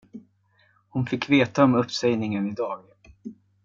Hon fick veta om uppsägningen i dag.